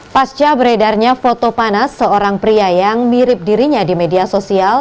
pasca beredarnya foto panas seorang pria yang mirip dirinya di media sosial